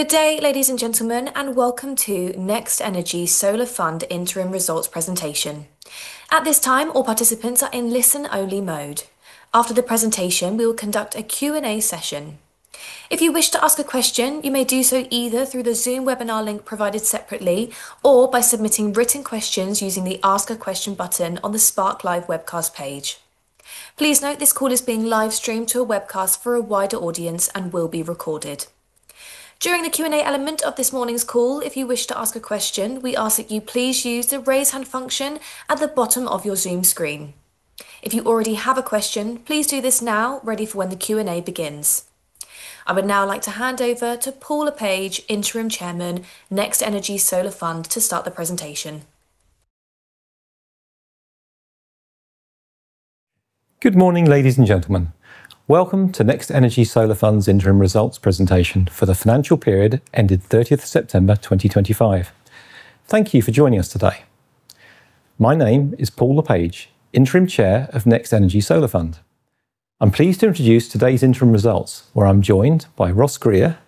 Good day, ladies and gentlemen, and welcome to NextEnergy Solar Fund Interim Results Presentation. At this time, all participants are in listen-only mode. After the presentation, we will conduct a Q&A session. If you wish to ask a question, you may do so either through the Zoom webinar link provided separately or by submitting written questions using the Ask a Question button on the Spark Live webcast page. Please note this call is being live-streamed to a webcast for a wider audience and will be recorded. During the Q&A element of this morning's call, if you wish to ask a question, we ask that you please use the raise hand function at the bottom of your Zoom screen. If you already have a question, please do this now, ready for when the Q&A begins.I would now like to hand over to Paul Le Page, Interim Chairman, NextEnergy Solar Fund, to start the presentation. Good morning, ladies and gentlemen. Welcome to NextEnergy Solar Fund's Interim Results Presentation for the financial period ended 30th September 2025. Thank you for joining us today. My name is Paul Le Page, Interim Chair of NextEnergy Solar Fund. I'm pleased to introduce today's interim results, where I'm joined by Ross Grier,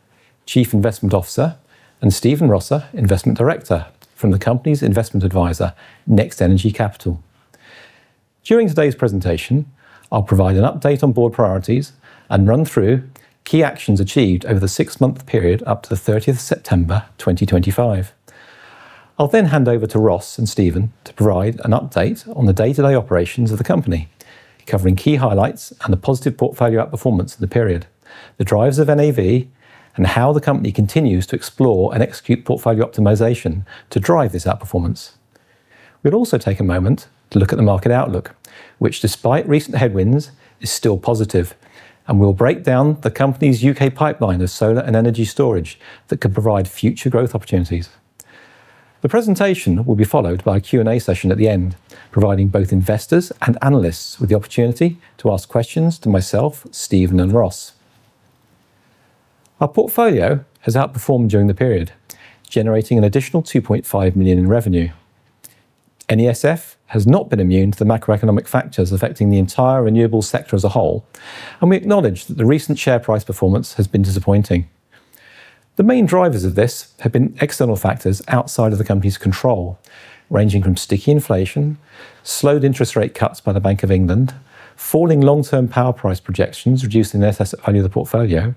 Chief Investment Officer, and Stephen Rosser, Investment Director, from the company's investment advisor, NextEnergy Capital. During today's presentation, I'll provide an update on board priorities and run through key actions achieved over the six-month period up to 30th September 2025. I'll then hand over to Ross and Stephen to provide an update on the day-to-day operations of the company, covering key highlights and the positive portfolio outperformance of the period, the drivers of NAV, and how the company continues to explore and execute portfolio optimisation to drive this outperformance. We'll also take a moment to look at the market outlook, which, despite recent headwinds, is still positive, and we'll break down the company's U.K. pipeline of solar and energy storage that could provide future growth opportunities. The presentation will be followed by a Q&A session at the end, providing both Investors and Analysts with the opportunity to ask questions to myself, Stephen, and Ross. Our portfolio has outperformed during the period, generating an additional 2.5 million in revenue. NESF has not been immune to the macroeconomic factors affecting the entire renewables sector as a whole, and we acknowledge that the recent share price performance has been disappointing. The main drivers of this have been external factors outside of the company's control, ranging from sticky inflation, slowed interest rate cuts by the Bank of England, falling long-term power price projections reducing assets value of the portfolio,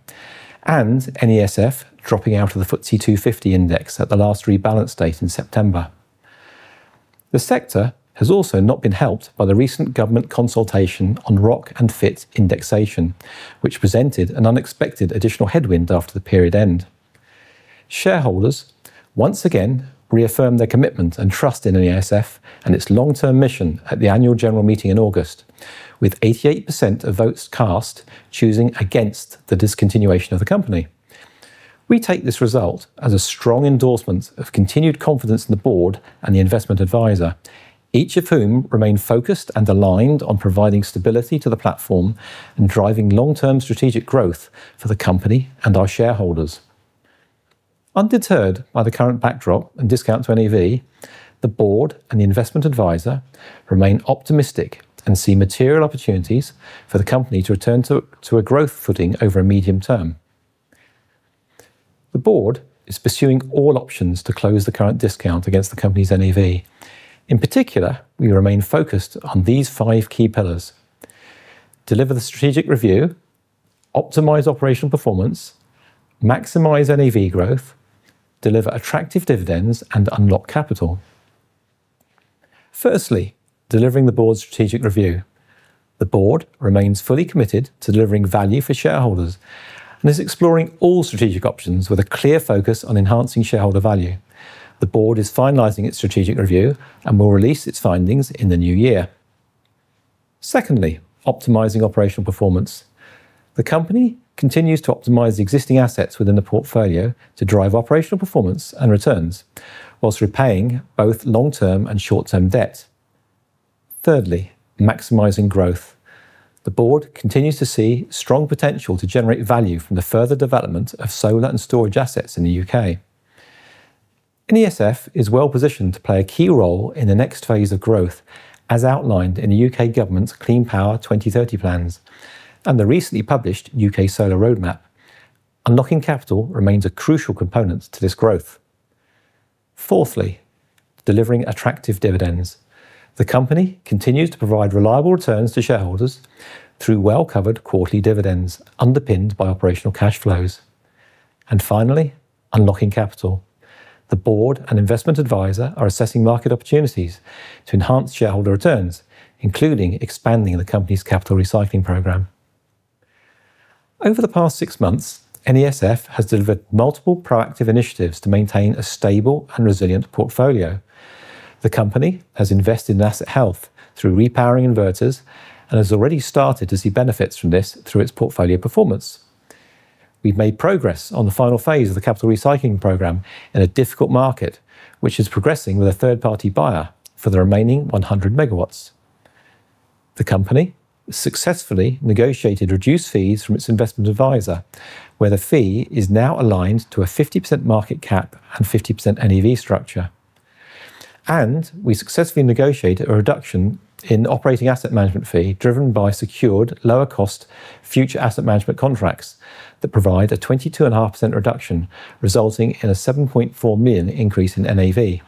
and NESF dropping out of the FTSE 250 index at the last rebalance date in September. The sector has also not been helped by the recent government consultation on ROC and FIT indexation, which presented an unexpected additional headwind after the period end. Shareholders once again reaffirmed their commitment and trust in NESF and its long-term mission at the annual general meeting in August, with 88% of votes cast choosing against the discontinuation of the company. We take this result as a strong endorsement of continued confidence in the board and the investment advisor, each of whom remain focused and aligned on providing stability to the platform and driving long-term strategic growth for the company and our shareholders. Undeterred by the current backdrop and discount to NAV, the board and the investment advisor remain optimistic and see material opportunities for the company to return to a growth footing over a medium term. The board is pursuing all options to close the current discount against the company's NAV. In particular, we remain focused on these five key pillars: deliver the strategic review, optimize operational performance, maximize NAV growth, deliver attractive dividends, and unlock capital. Firstly, delivering the board's strategic review. The board remains fully committed to delivering value for shareholders and is exploring all strategic options with a clear focus on enhancing shareholder value. The board is finalizing its strategic review and will release its findings in the new year. Secondly, optimizing operational performance. The company continues to optimize existing assets within the portfolio to drive operational performance and returns, while repaying both long-term and short-term debt. Thirdly, maximizing growth. The board continues to see strong potential to generate value from the further development of solar and storage assets in the U.K. NESF is well positioned to play a key role in the next phase of growth, as outlined in the U.K. government's Clean Power 2030 plans and the recently published U.K. Solar Roadmap. Unlocking capital remains a crucial component to this growth. Fourthly, delivering attractive dividends. The company continues to provide reliable returns to shareholders through well-covered quarterly dividends underpinned by operational cash flows. And finally, unlocking capital. The board and investment advisor are assessing market opportunities to enhance shareholder returns, including expanding the company's capital recycling program. Over the past six months, NESF has delivered multiple proactive initiatives to maintain a stable and resilient portfolio. The company has invested in asset health through repowering inverters and has already started to see benefits from this through its portfolio performance. We've made progress on the final phase of the capital recycling program in a difficult market, which is progressing with a third-party buyer for the remaining 100 megawatts. The company successfully negotiated reduced fees from its investment advisor, where the fee is now aligned to a 50% market cap and 50% NAV structure, and we successfully negotiated a reduction in operating asset management fee driven by secured lower-cost future asset management contracts that provide a 22.5% reduction, resulting in a 7.4 million increase in NAV.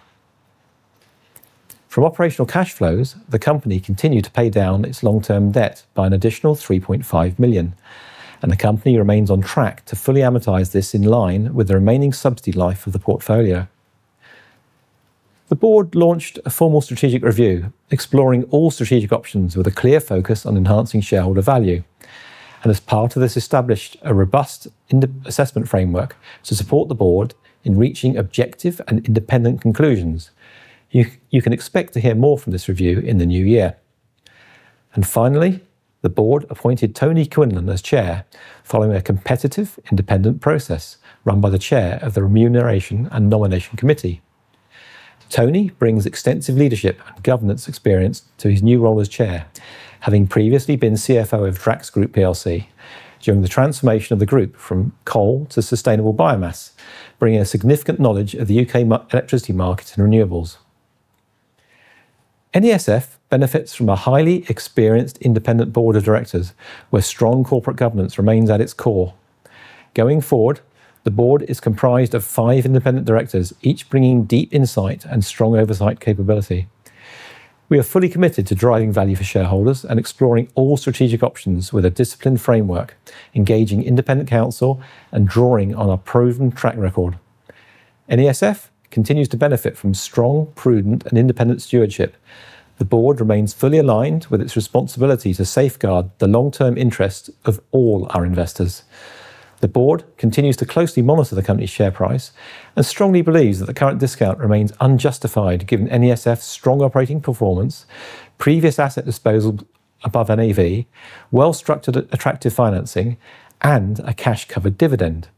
From operational cash flows, the company continued to pay down its long-term debt by an additional 3.5 million, and the company remains on track to fully amortize this in line with the remaining subsidy life of the portfolio. The board launched a formal strategic review exploring all strategic options with a clear focus on enhancing shareholder value, and as part of this established a robust assessment framework to support the board in reaching objective and independent conclusions. You can expect to hear more from this review in the new year. And finally, the board appointed Tony Quinlan as chair following a competitive independent process run by the chair of the Remuneration and Nomination Committee. Tony brings extensive leadership and governance experience to his new role as Chair, having previously been CFO of Drax Group PLC during the transformation of the group from coal to sustainable biomass, bringing a significant knowledge of the U.K. electricity market and renewables. NESF benefits from a highly experienced independent board of directors where strong corporate governance remains at its core. Going forward, the board is comprised of five independent directors, each bringing deep insight and strong oversight capability. We are fully committed to driving value for shareholders and exploring all strategic options with a disciplined framework, engaging independent counsel, and drawing on our proven track record. NESF continues to benefit from strong, prudent, and independent stewardship. The board remains fully aligned with its responsibility to safeguard the long-term interests of all our Investors. The board continues to closely monitor the company's share price and strongly believes that the current discount remains unjustified given NESF's strong operating performance, previous asset disposal above NAV, well-structured attractive financing, and a cash-covered dividend.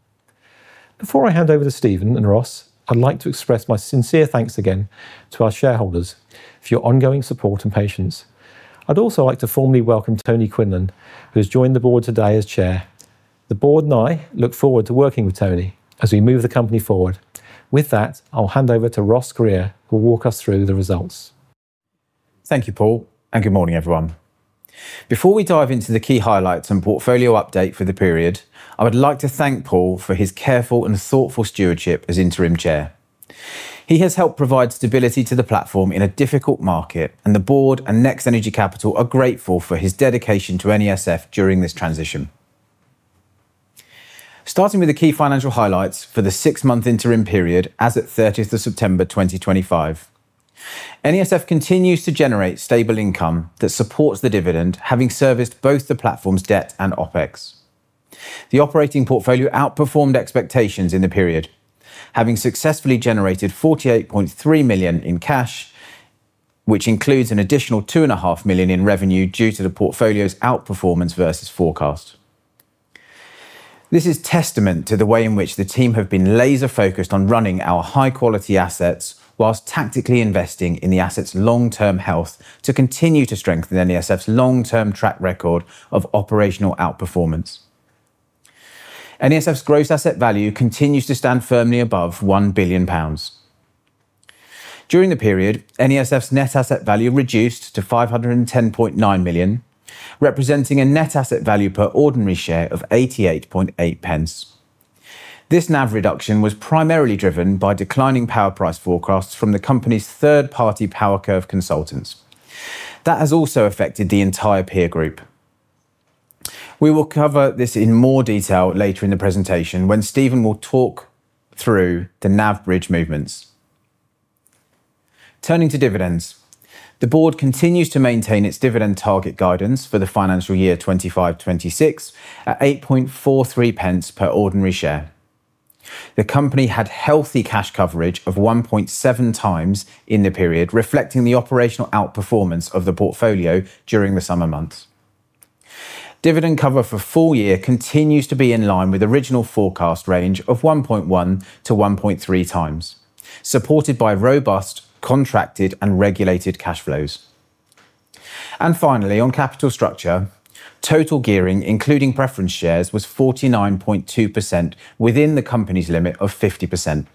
Before I hand over to Stephen and Ross, I'd like to express my sincere thanks again to our shareholders for your ongoing support and patience. I'd also like to formally welcome Tony Quinlan, who has joined the board today as Chair. The board and I look forward to working with Tony as we move the company forward. With that, I'll hand over to Ross Grier, who will walk us through the results. Thank you, Paul, and good morning, everyone. Before we dive into the key highlights and portfolio update for the period, I would like to thank Paul for his careful and thoughtful stewardship as interim chair. He has helped provide stability to the platform in a difficult market, and the board and NextEnergy Capital are grateful for his dedication to NESF during this transition. Starting with the key financial highlights for the six-month interim period as of 30 September 2025, NESF continues to generate stable income that supports the dividend, having serviced both the platform's debt and OpEx. The operating portfolio outperformed expectations in the period, having successfully generated 48.3 million in cash, which includes an additional 2.5 million in revenue due to the portfolio's outperformance versus forecast. This is testament to the way in which the team have been laser-focused on running our high-quality assets whilst tactically investing in the asset's long-term health to continue to strengthen NESF's long-term track record of operational outperformance. NESF's gross asset value continues to stand firmly above 1 billion pounds. During the period, NESF's net asset value reduced to 510.9 million, representing a net asset value per ordinary share of 88.8. This NAV reduction was primarily driven by declining power price forecasts from the company's third-party PowerCurve consultants. That has also affected the entire peer group. We will cover this in more detail later in the presentation when Stephen will talk through the NAV bridge movements. Turning to dividends, the board continues to maintain its dividend target guidance for the financial year 2025/26 at 8.43 per ordinary share. The company had healthy cash coverage of 1.7 times in the period, reflecting the operational outperformance of the portfolio during the summer months. Dividend cover for full year continues to be in line with the original forecast range of 1.1-1.3 times, supported by robust contracted and regulated cash flows. And finally, on capital structure, total gearing, including preference shares, was 49.2% within the company's limit of 50%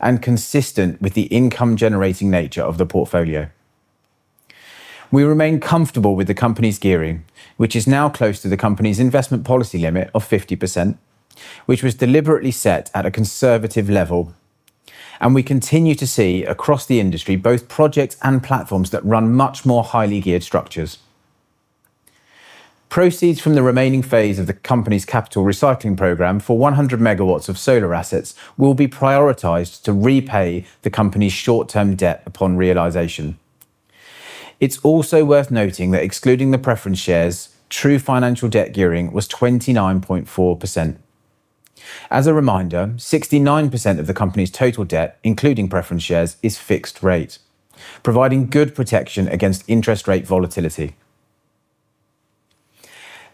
and consistent with the income-generating nature of the portfolio. We remain comfortable with the company's gearing, which is now close to the company's investment policy limit of 50%, which was deliberately set at a conservative level, and we continue to see across the industry both projects and platforms that run much more highly geared structures. Proceeds from the remaining phase of the company's capital recycling program for 100 megawatts of solar assets will be prioritized to repay the company's short-term debt upon realization. It's also worth noting that excluding the preference shares, true financial debt gearing was 29.4%. As a reminder, 69% of the company's total debt, including preference shares, is fixed rate, providing good protection against interest rate volatility.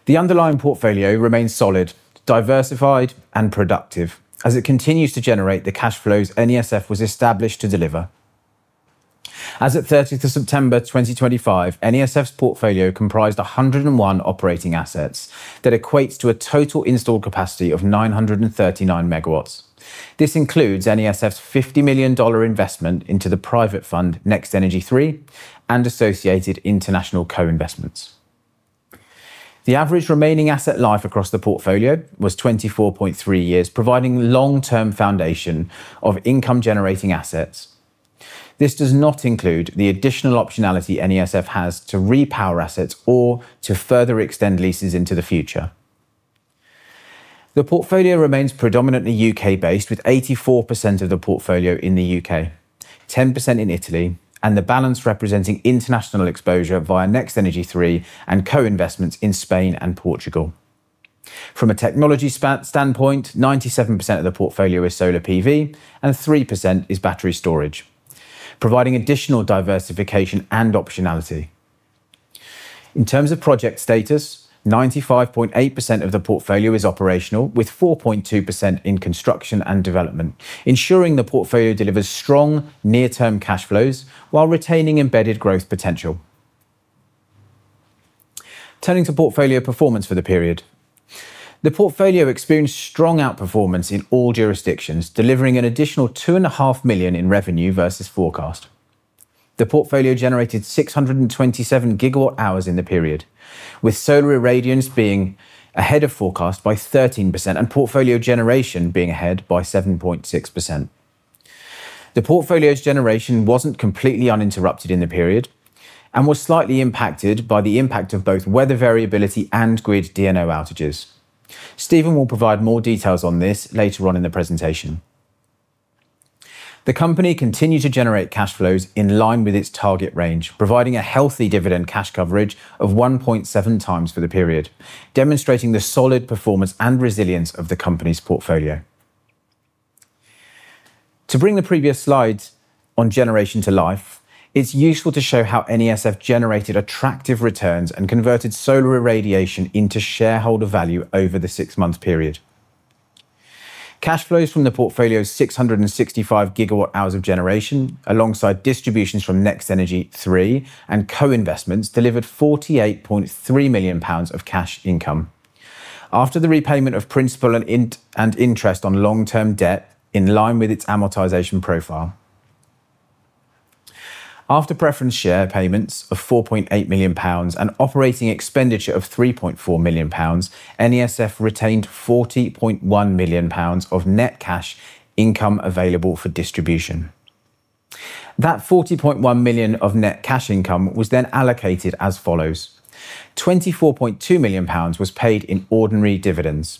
The underlying portfolio remains solid, diversified, and productive as it continues to generate the cash flows NESF was established to deliver. As of 30 September 2025, NESF's portfolio comprised 101 operating assets that equates to a total installed capacity of 939 megawatts. This includes NESF's $50 million investment into the private fund NextEnergy 3 and associated international co-investments. The average remaining asset life across the portfolio was 24.3 years, providing a long-term foundation of income-generating assets. This does not include the additional optionality NESF has to repower assets or to further extend leases into the future. The portfolio remains predominantly U.K.-based, with 84% of the portfolio in the U.K., 10% in Italy, and the balance representing international exposure via NextEnergy 3 and co-investments in Spain and Portugal. From a technology standpoint, 97% of the portfolio is solar PV, and 3% is battery storage, providing additional diversification and optionality. In terms of project status, 95.8% of the portfolio is operational, with 4.2% in construction and development, ensuring the portfolio delivers strong near-term cash flows while retaining embedded growth potential. Turning to portfolio performance for the period, the portfolio experienced strong outperformance in all jurisdictions, delivering an additional 2.5 million in revenue versus forecast. The portfolio generated 627 gigawatt-hours in the period, with solar irradiance being ahead of forecast by 13% and portfolio generation being ahead by 7.6%. The portfolio's generation wasn't completely uninterrupted in the period and was slightly impacted by the impact of both weather variability and grid DNO outages. Stephen will provide more details on this later on in the presentation. The company continues to generate cash flows in line with its target range, providing a healthy dividend cash coverage of 1.7 times for the period, demonstrating the solid performance and resilience of the company's portfolio. To bring the previous slides on generation to life, it's useful to show how NESF generated attractive returns and converted solar irradiation into shareholder value over the six-month period. Cash flows from the portfolio's 665 gigawatt-hours of generation, alongside distributions from NextEnergy 3 and co-investments, delivered 48.3 million pounds of cash income after the repayment of principal and interest on long-term debt in line with its amortization profile. After preference share payments of 4.8 million pounds and operating expenditure of 3.4 million pounds, NESF retained 40.1 million pounds of net cash income available for distribution. That 40.1 million of net cash income was then allocated as follows: 24.2 million pounds was paid in ordinary dividends,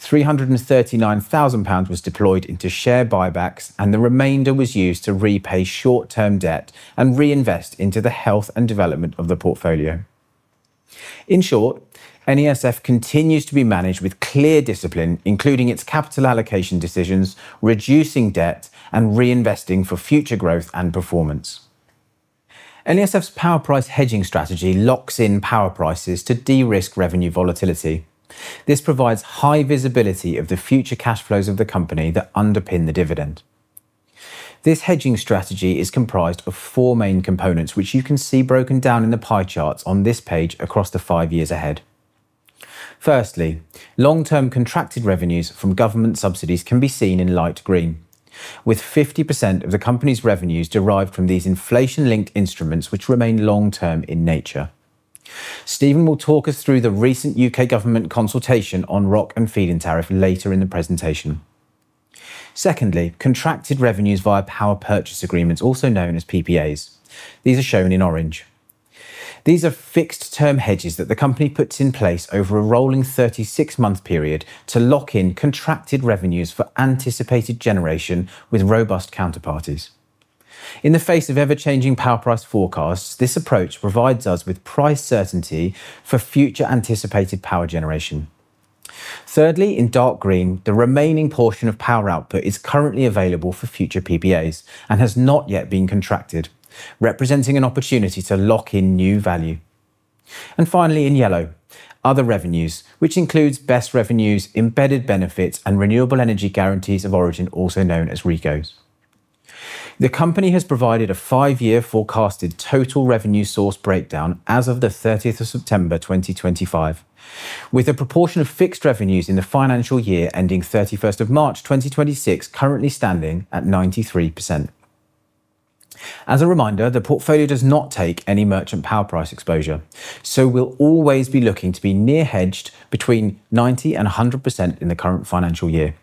339,000 pounds was deployed into share buybacks, and the remainder was used to repay short-term debt and reinvest into the health and development of the portfolio. In short, NESF continues to be managed with clear discipline, including its capital allocation decisions, reducing debt, and reinvesting for future growth and performance. NESF's power price hedging strategy locks in power prices to de-risk revenue volatility. This provides high visibility of the future cash flows of the company that underpin the dividend. This hedging strategy is comprised of four main components, which you can see broken down in the pie charts on this page across the five years ahead. Firstly, long-term contracted revenues from government subsidies can be seen in light green, with 50% of the company's revenues derived from these inflation-linked instruments, which remain long-term in nature. Stephen will talk us through the recent U.K. government consultation on ROC and Feed-in Tariff later in the presentation. Secondly, contracted revenues via Power Purchase Agreements, also known as PPAs. These are shown in orange. These are fixed-term hedges that the company puts in place over a rolling 36-month period to lock in contracted revenues for anticipated generation with robust counterparties. In the face of ever-changing power price forecasts, this approach provides us with price certainty for future anticipated power generation. Thirdly, in dark green, the remaining portion of power output is currently available for future PPAs and has not yet been contracted, representing an opportunity to lock in new value. Finally, in yellow, other revenues, which includes BESS revenues, embedded benefits, and renewable energy guarantees of origin, also known as REGOs. The company has provided a five-year forecasted total revenue source breakdown as of 30 September 2025, with a proportion of fixed revenues in the financial year ending 31 March 2026 currently standing at 93%. As a reminder, the portfolio does not take any merchant power price exposure, so we'll always be looking to be near hedged between 90%-100% in the current financial year.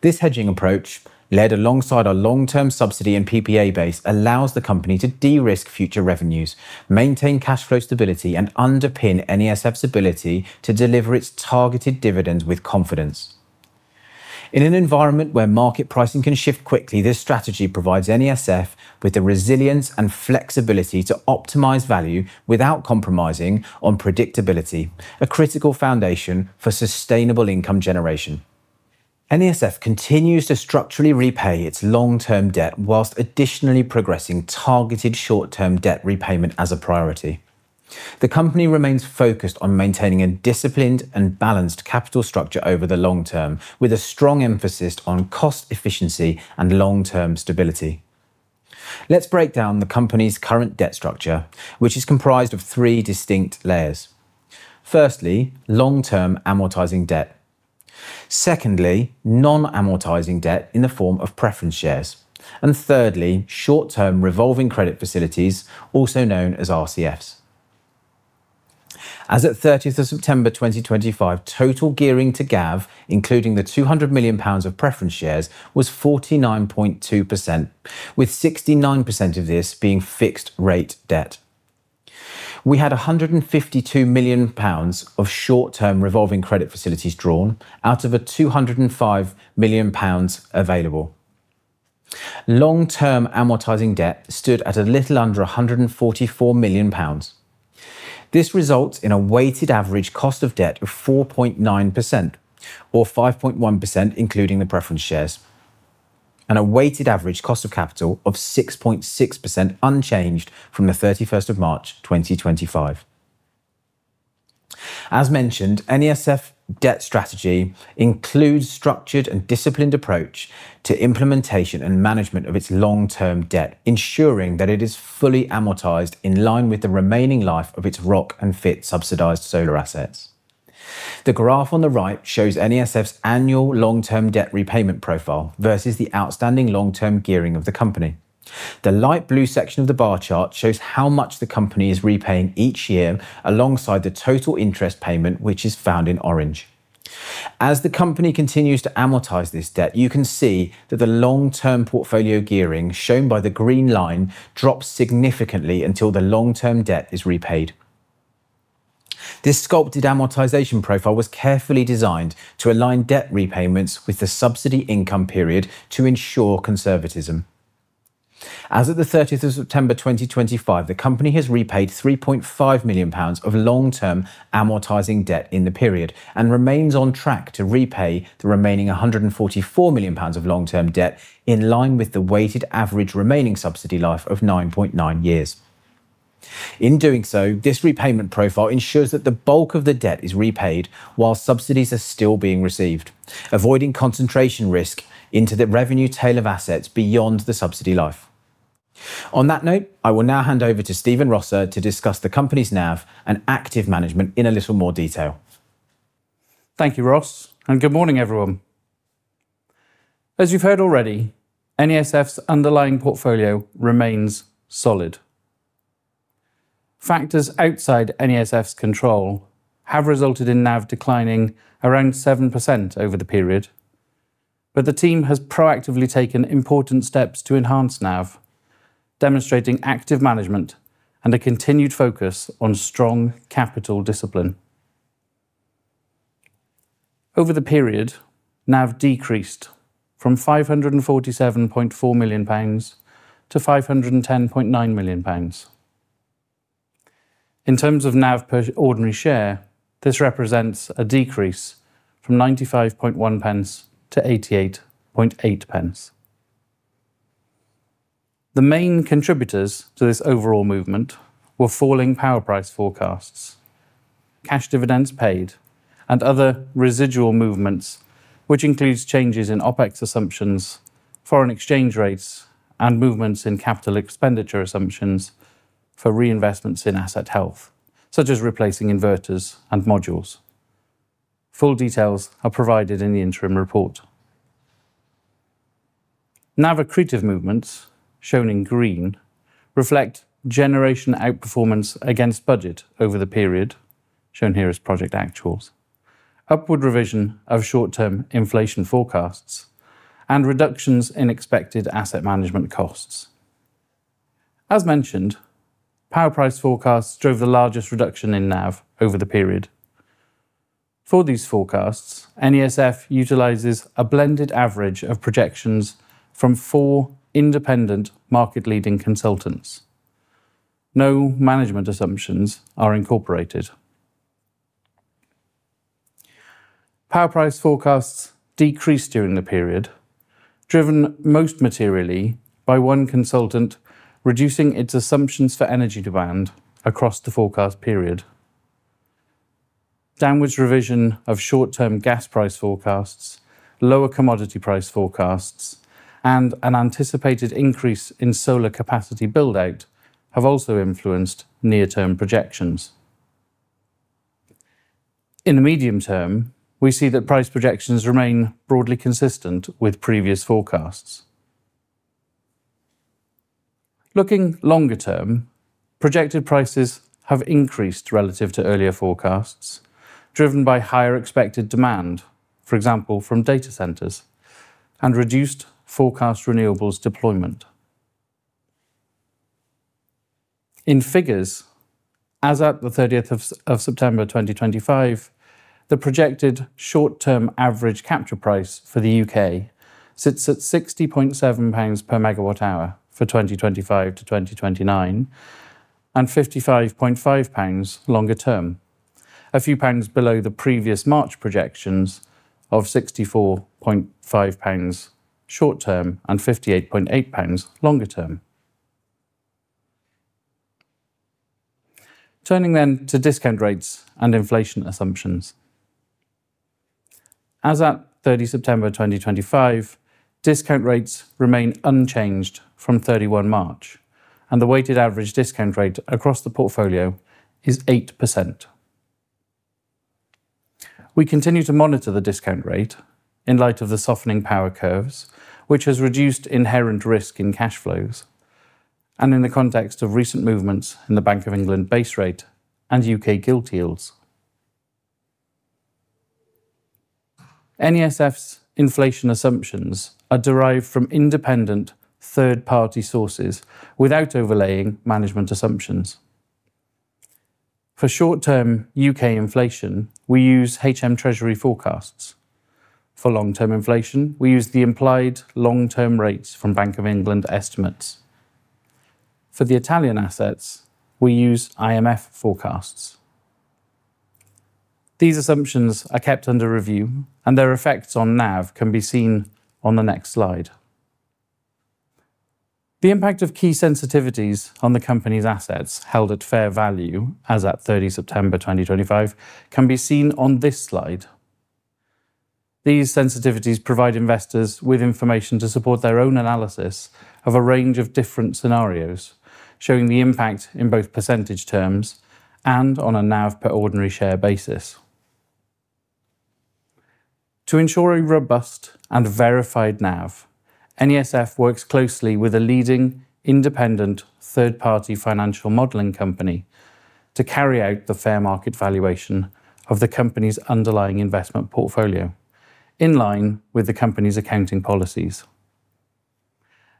This hedging approach, led alongside a long-term subsidy and PPA base, allows the company to de-risk future revenues, maintain cash flow stability, and underpin NESF's ability to deliver its targeted dividends with confidence. In an environment where market pricing can shift quickly, this strategy provides NESF with the resilience and flexibility to optimize value without compromising on predictability, a critical foundation for sustainable income generation. NESF continues to structurally repay its long-term debt while additionally progressing targeted short-term debt repayment as a priority. The company remains focused on maintaining a disciplined and balanced capital structure over the long term, with a strong emphasis on cost efficiency and long-term stability. Let's break down the company's current debt structure, which is comprised of three distinct layers. Firstly, long-term amortising debt. Secondly, non-amortising debt in the form of preference shares. And thirdly, short-term revolving credit facilities, also known as RCFs. As of 30 September 2025, total gearing to GAV, including the 200 million pounds of preference shares, was 49.2%, with 69% of this being fixed-rate debt. We had 152 million pounds of short-term revolving credit facilities drawn out of a 205 million pounds available. Long-term amortizing debt stood at a little under 144 million pounds. This results in a weighted average cost of debt of 4.9%, or 5.1% including the preference shares, and a weighted average cost of capital of 6.6% unchanged from 31 March 2025. As mentioned, NESF's debt strategy includes a structured and disciplined approach to implementation and management of its long-term debt, ensuring that it is fully amortized in line with the remaining life of its ROC and FIT subsidized solar assets. The graph on the right shows NESF's annual long-term debt repayment profile versus the outstanding long-term gearing of the company. The light blue section of the bar chart shows how much the company is repaying each year alongside the total interest payment, which is found in orange. As the company continues to amortize this debt, you can see that the long-term portfolio gearing, shown by the green line, drops significantly until the long-term debt is repaid. This sculpted amortization profile was carefully designed to align debt repayments with the subsidy income period to ensure conservatism. As of 30 September 2025, the company has repaid 3.5 million pounds of long-term amortizing debt in the period and remains on track to repay the remaining 144 million pounds of long-term debt in line with the weighted average remaining subsidy life of 9.9 years. In doing so, this repayment profile ensures that the bulk of the debt is repaid while subsidies are still being received, avoiding concentration risk into the revenue tail of assets beyond the subsidy life. On that note, I will now hand over to Stephen Rosser to discuss the company's NAV and active management in a little more detail. Thank you, Ross, and good morning, everyone. As you've heard already, NESF's underlying portfolio remains solid. Factors outside NESF's control have resulted in NAV declining around 7% over the period, but the team has proactively taken important steps to enhance NAV, demonstrating active management and a continued focus on strong capital discipline. Over the period, NAV decreased from 547.4 million pounds to 510.9 million pounds. In terms of NAV per ordinary share, this represents a decrease from 95.1 to 88.8. The main contributors to this overall movement were falling power price forecasts, cash dividends paid, and other residual movements, which includes changes in OpEx assumptions, foreign exchange rates, and movements in capital expenditure assumptions for reinvestments in asset health, such as replacing inverters and modules. Full details are provided in the interim report. NAV accretive movements, shown in green, reflect generation outperformance against budget over the period, shown here as project actuals, upward revision of short-term inflation forecasts, and reductions in expected asset management costs. As mentioned, power price forecasts drove the largest reduction in NAV over the period. For these forecasts, NESF utilizes a blended average of projections from four independent market-leading consultants. No management assumptions are incorporated. Power price forecasts decreased during the period, driven most materially by one consultant reducing its assumptions for energy demand across the forecast period. Downward revision of short-term gas price forecasts, lower commodity price forecasts, and an anticipated increase in solar capacity buildout have also influenced near-term projections. In the medium term, we see that price projections remain broadly consistent with previous forecasts. Looking longer term, projected prices have increased relative to earlier forecasts, driven by higher expected demand, for example, from data centers, and reduced forecast renewables deployment. In figures, as at 30 September 2025, the projected short-term average capture price for the U.K. sits at 60.7 pounds per megawatt-hour for 2025 to 2029 and 55.5 pounds longer term, a few pounds below the previous March projections of 64.5 pounds short-term and 58.8 pounds longer term. Turning then to discount rates and inflation assumptions. As at 30 September 2025, discount rates remain unchanged from 31 March, and the weighted average discount rate across the portfolio is 8%. We continue to monitor the discount rate in light of the softening power curves, which has reduced inherent risk in cash flows and in the context of recent movements in the Bank of England base rate and U.K. gilt yields. NESF's inflation assumptions are derived from independent third-party sources without overlaying management assumptions. For short-term U.K. inflation, we use HM Treasury forecasts. For long-term inflation, we use the implied long-term rates from Bank of England estimates. For the Italian assets, we use IMF forecasts. These assumptions are kept under review, and their effects on NAV can be seen on the next slide. The impact of key sensitivities on the company's assets held at fair value as at 30 September 2025 can be seen on this slide. These sensitivities provide Investors with information to support their own analysis of a range of different scenarios, showing the impact in both percentage terms and on a NAV per ordinary share basis. To ensure a robust and verified NAV, NESF works closely with a leading independent third-party financial modelling company to carry out the fair market valuation of the company's underlying investment portfolio in line with the company's accounting policies.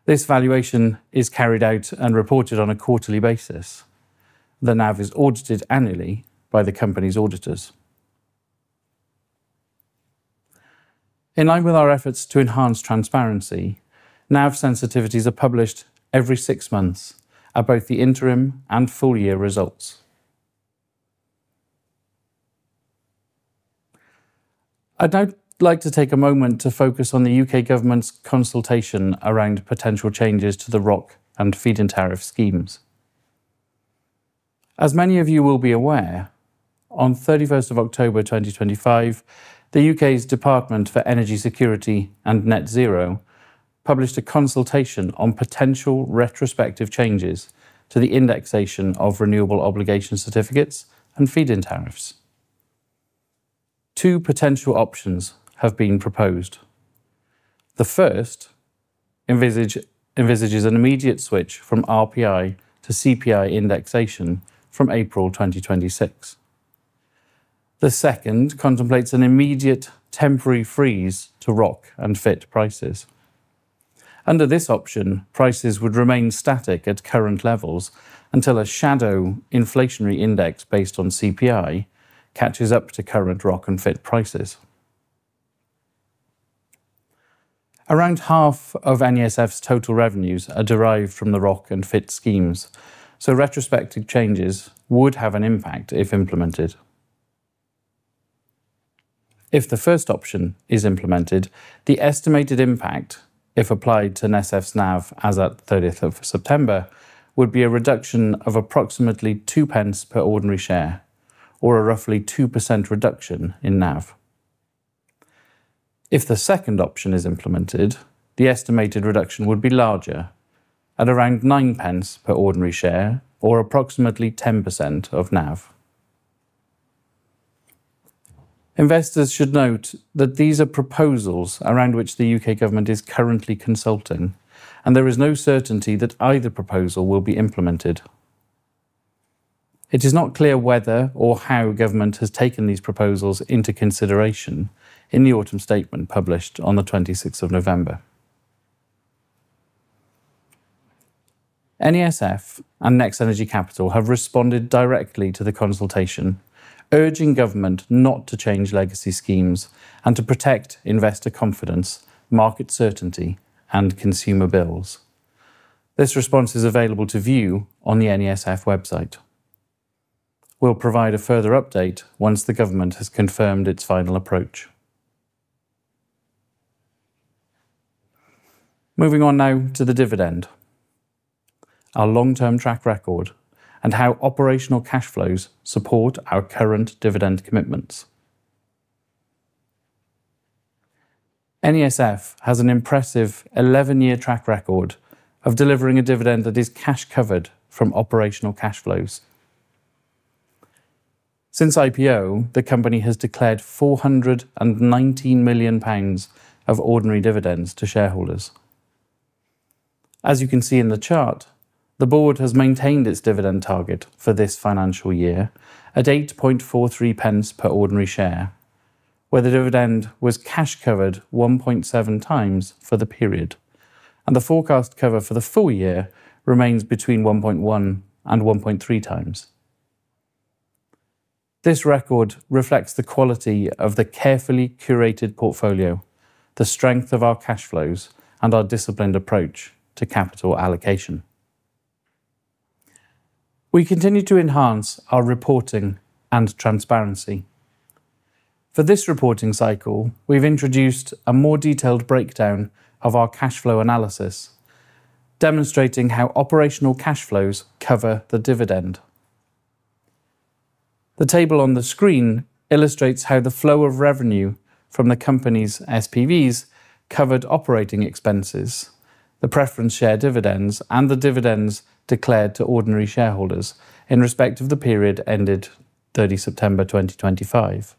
This valuation is carried out and reported on a quarterly basis. The NAV is audited annually by the company's auditors. In line with our efforts to enhance transparency, NAV sensitivities are published every six months at both the interim and full year results. I'd like to take a moment to focus on the U.K. government's consultation around potential changes to the ROC and feed-in tariff schemes. As many of you will be aware, on 31 October 2025, the U.K.'s Department for Energy Security and Net Zero published a consultation on potential retrospective changes to the indexation of Renewables Obligation Certificates and Feed-in Tariffs. Two potential options have been proposed. The first envisages an immediate switch from RPI to CPI indexation from April 2026. The second contemplates an immediate temporary freeze to ROC and FIT prices. Under this option, prices would remain static at current levels until a shadow inflationary index based on CPI catches up to current ROC and FIT prices. Around half of NESF's total revenues are derived from the ROC and FIT schemes, so retrospective changes would have an impact if implemented. If the first option is implemented, the estimated impact, if applied to NESF's NAV as at 30 September, would be a reduction of approximately 0.02 per ordinary share, or a roughly 2% reduction in NAV. If the second option is implemented, the estimated reduction would be larger, at around 0.09 per ordinary share, or approximately 10% of NAV. Investors should note that these are proposals around which the U.K. government is currently consulting, and there is no certainty that either proposal will be implemented. It is not clear whether or how government has taken these proposals into consideration in the autumn statement published on 26 November. NESF and NextEnergy Capital have responded directly to the consultation, urging government not to change legacy schemes and to protect Investor confidence, market certainty, and consumer bills. This response is available to view on the NESF website. We'll provide a further update once the government has confirmed its final approach. Moving on now to the dividend, our long-term track record, and how operational cash flows support our current dividend commitments. NESF has an impressive 11-year track record of delivering a dividend that is cash covered from operational cash flows. Since IPO, the company has declared 419 million pounds of ordinary dividends to shareholders. As you can see in the chart, the board has maintained its dividend target for this financial year, at 8.43 per ordinary share, where the dividend was cash covered 1.7 times for the period, and the forecast cover for the full year remains between 1.1 and 1.3 times. This record reflects the quality of the carefully curated portfolio, the strength of our cash flows, and our disciplined approach to capital allocation. We continue to enhance our reporting and transparency. For this reporting cycle, we've introduced a more detailed breakdown of our cash flow analysis, demonstrating how operational cash flows cover the dividend. The table on the screen illustrates how the flow of revenue from the company's SPVs covered operating expenses, the preference share dividends, and the dividends declared to ordinary shareholders in respect of the period ended 30 September 2025.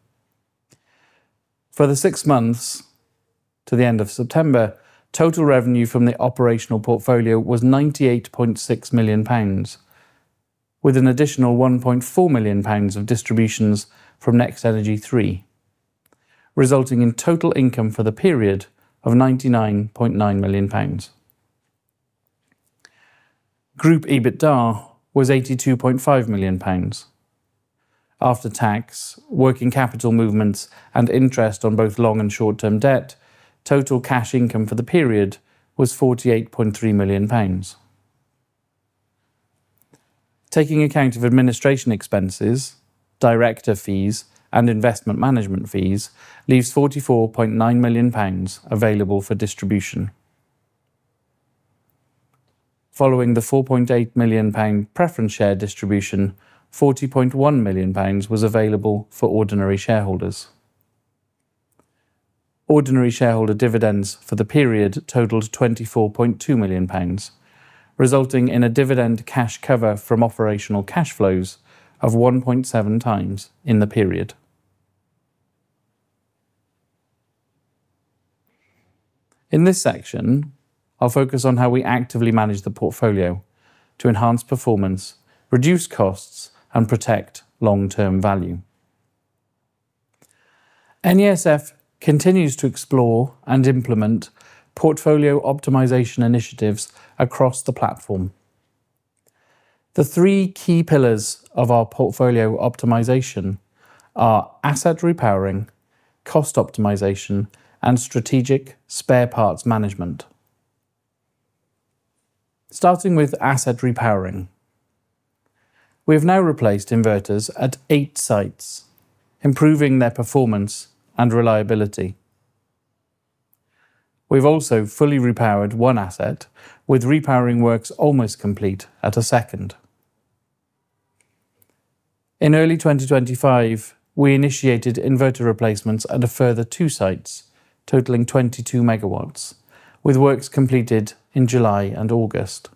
For the six months to the end of September, total revenue from the operational portfolio was 98.6 million pounds, with an additional 1.4 million pounds of distributions from NextEnergy 3, resulting in total income for the period of 99.9 million pounds. Group EBITDA was 82.5 million pounds. After tax, working capital movements, and interest on both long and short-term debt, total cash income for the period was 48.3 million pounds. Taking account of administration expenses, director fees, and investment management fees, leaves 44.9 million pounds available for distribution. Following the 4.8 million pound preference share distribution, 40.1 million pounds was available for ordinary shareholders. Ordinary shareholder dividends for the period totaled 24.2 million pounds, resulting in a dividend cash cover from operational cash flows of 1.7 times in the period. In this section, I'll focus on how we actively manage the portfolio to enhance performance, reduce costs, and protect long-term value. NESF continues to explore and implement portfolio optimisation initiatives across the platform. The three key pillars of our portfolio optimisation are asset repowering, cost optimisation, and strategic spare parts management. Starting with asset repowering, we have now replaced inverters at eight sites, improving their performance and reliability. We've also fully repowered one asset, with repowering works almost complete at a second. In early 2025, we initiated inverter replacements at a further two sites, totaling 22 megawatts, with works completed in July and August.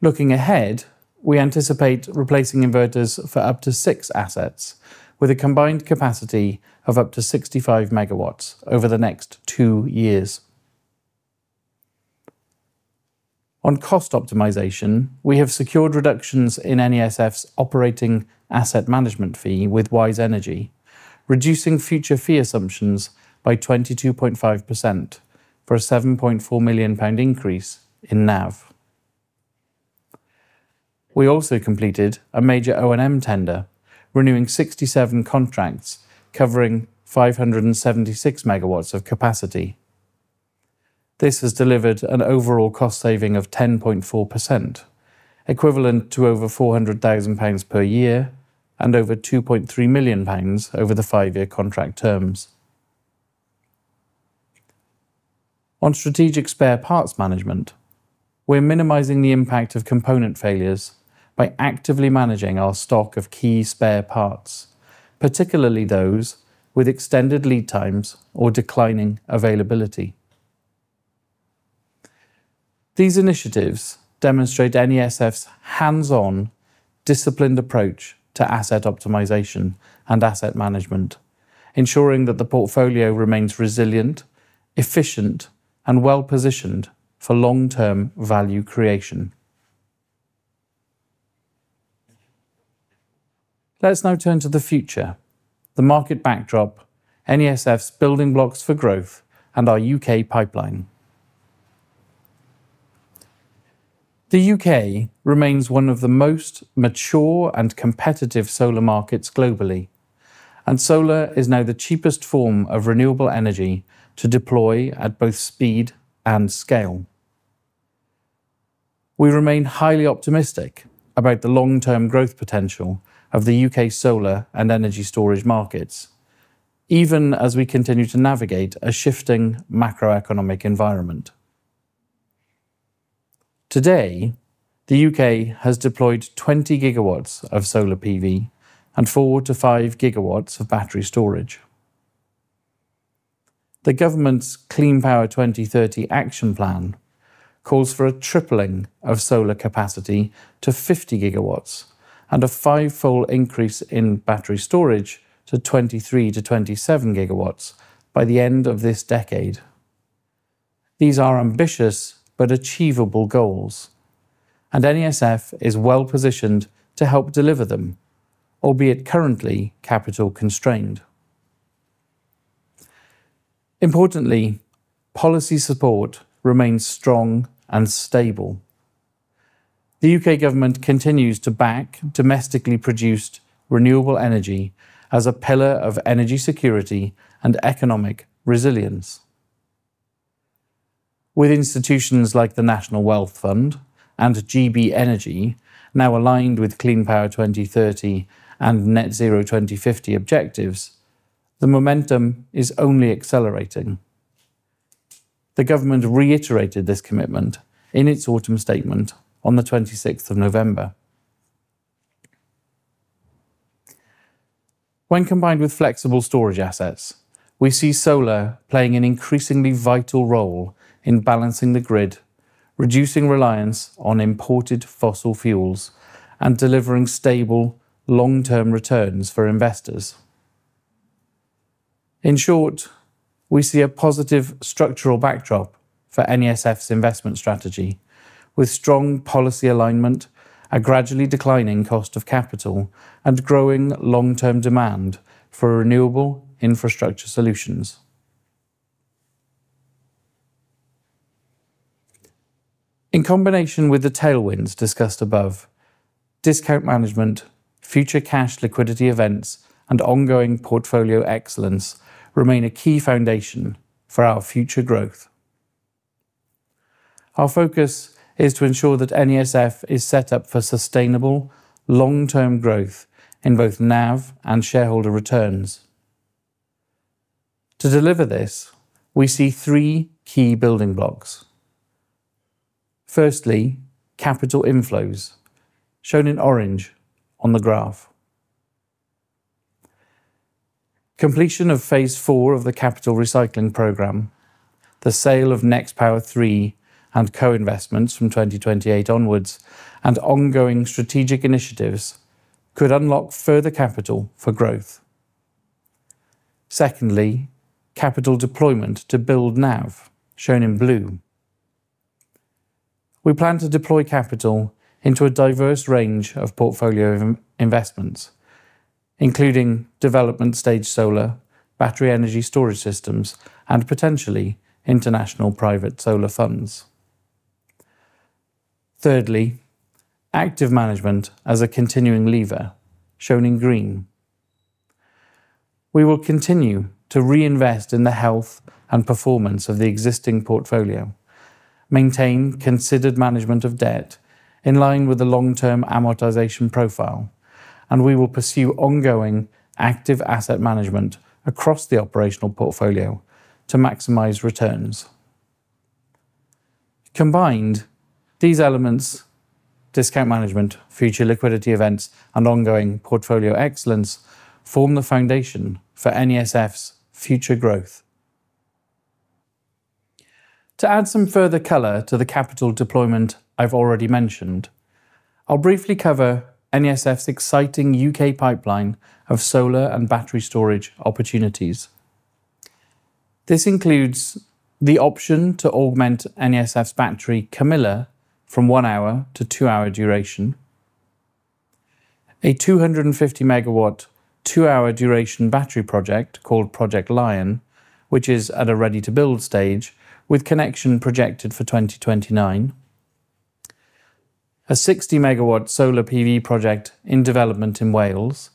Looking ahead, we anticipate replacing inverters for up to six assets, with a combined capacity of up to 65 megawatts over the next two years. On cost optimisation, we have secured reductions in NESF's operating asset management fee with Wise Energy, reducing future fee assumptions by 22.5% for a 7.4 million pound increase in NAV. We also completed a major O&M tender, renewing 67 contracts covering 576 megawatts of capacity. This has delivered an overall cost saving of 10.4%, equivalent to over 400,000 pounds per year and over 2.3 million pounds over the five-year contract terms. On strategic spare parts management, we're minimizing the impact of component failures by actively managing our stock of key spare parts, particularly those with extended lead times or declining availability. These initiatives demonstrate NESF's hands-on, disciplined approach to asset optimization and asset management, ensuring that the portfolio remains resilient, efficient, and well-positioned for long-term value creation. Let's now turn to the future, the market backdrop, NESF's building blocks for growth, and our U.K. pipeline. The U.K. remains one of the most mature and competitive solar markets globally, and solar is now the cheapest form of renewable energy to deploy at both speed and scale. We remain highly optimistic about the long-term growth potential of the U.K. solar and energy storage markets, even as we continue to navigate a shifting macroeconomic environment. Today, the U.K. has deployed 20 GW of solar PV and 4 to 5 GW of battery storage. The government's Clean Power 2030 Action Plan calls for a tripling of solar capacity to 50 GW and a five-fold increase in battery storage to 23 to 27 GW by the end of this decade. These are ambitious but achievable goals, and NESF is well-positioned to help deliver them, albeit currently capital constrained. Importantly, policy support remains strong and stable. The U.K. government continues to back domestically produced renewable energy as a pillar of energy security and economic resilience. With institutions like the National Wealth Fund and GB Energy now aligned with Clean Power 2030 and Net Zero 2050 objectives, the momentum is only accelerating. The government reiterated this commitment in its autumn statement on 26 November. When combined with flexible storage assets, we see solar playing an increasingly vital role in balancing the grid, reducing reliance on imported fossil fuels, and delivering stable, long-term returns for Investors. In short, we see a positive structural backdrop for NESF's investment strategy, with strong policy alignment, a gradually declining cost of capital, and growing long-term demand for renewable infrastructure solutions. In combination with the tailwinds discussed above, discount management, future cash liquidity events, and ongoing portfolio excellence remain a key foundation for our future growth. Our focus is to ensure that NESF is set up for sustainable, long-term growth in both NAV and shareholder returns. To deliver this, we see three key building blocks. Firstly, capital inflows, shown in orange on the graph. Completion of Phase Four of the Capital Recycling Program, the sale of NextPower 3 and co-investments from 2028 onward, and ongoing strategic initiatives could unlock further capital for growth. Secondly, capital deployment to build NAV, shown in blue. We plan to deploy capital into a diverse range of portfolio investments, including development-stage solar, battery energy storage systems, and potentially international private solar funds. Thirdly, active management as a continuing lever, shown in green. We will continue to reinvest in the health and performance of the existing portfolio, maintain considered management of debt in line with the long-term amortization profile, and we will pursue ongoing active asset management across the operational portfolio to maximize returns. Combined, these elements, discount management, future liquidity events, and ongoing portfolio excellence, form the foundation for NESF's future growth. To add some further color to the capital deployment I've already mentioned, I'll briefly cover NESF's exciting U.K. pipeline of solar and battery storage opportunities. This includes the option to augment NESF's battery Camilla from one hour to two-hour duration, a 250-megawatt two-hour duration battery project called Project Lion, which is at a ready-to-build stage with connection projected for 2029, a 60-megawatt solar PV project in development in Wales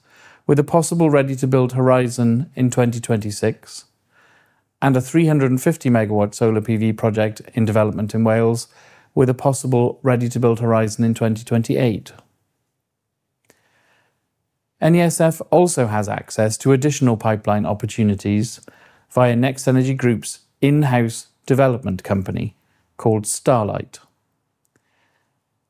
with a possible ready-to-build horizon in 2026, and a 350-megawatt solar PV project in development in Wales with a possible ready-to-build horizon in 2028. NESF also has access to additional pipeline opportunities via NextEnergy Group's in-house development company called Starlight.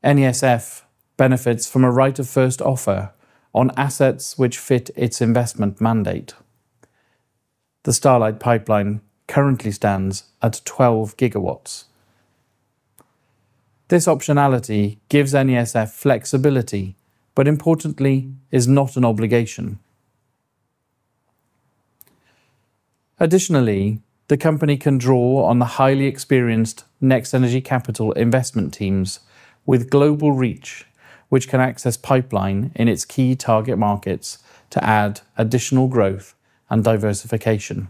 NESF benefits from a right of first offer on assets which fit its investment mandate. The Starlight pipeline currently stands at 12 GW. This optionality gives NESF flexibility, but importantly, is not an obligation. Additionally, the company can draw on the highly experienced NextEnergy Capital investment teams with global reach, which can access pipeline in its key target markets to add additional growth and diversification.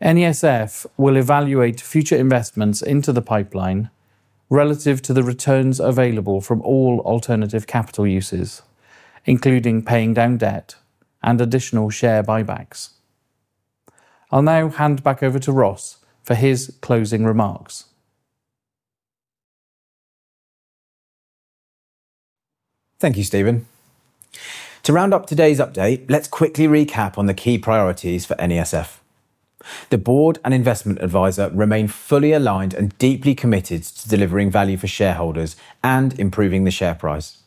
NESF will evaluate future investments into the pipeline relative to the returns available from all alternative capital uses, including paying down debt and additional share buybacks. I'll now hand back over to Ross for his closing remarks. Thank you, Stephen. To round up today's update, let's quickly recap on the key priorities for NESF. The board and investment advisor remain fully aligned and deeply committed to delivering value for shareholders and improving the share price.